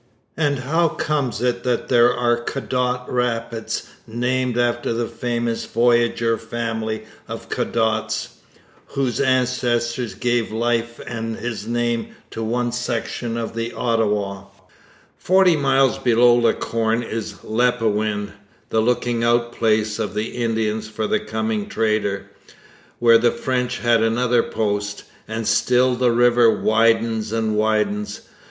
And how comes it that here are Cadotte Rapids, named after the famous voyageur family of Cadottes, whose ancestor gave his life and his name to one section of the Ottawa? [Illustration: A CAMP IN THE SWAMP COUNTRY From a photograph] Forty miles below La Corne is Nepawin, the 'looking out place' of the Indians for the coming trader, where the French had another post. And still the river widens and widens.